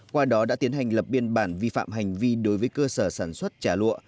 qua đó đã tiến hành lập biên bản vi phạm hành vi đối với cơ sở sản xuất trả lụa